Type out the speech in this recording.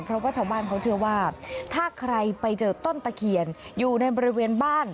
เพราะว่าชาวบ้านเขาเชื่อว่าถ้าใครไปเจอต้นตะเคียนอยู่ในบริเวณบ้าน